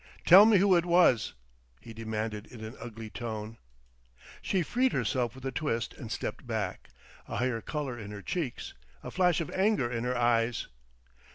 "Tell me who it was," he demanded in an ugly tone. She freed herself with a twist, and stepped back, a higher color in her cheeks, a flash of anger in her eyes.